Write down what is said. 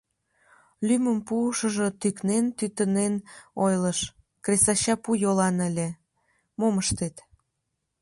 Лӱмым пуышыжо тӱкнен-тӱтынен ойлыш, кресача пу йолан ыле, мом ыштет.